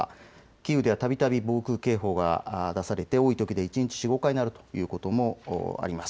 キーウではたびたび防空警報が出されて多いときで一日４、５回鳴るということもあります。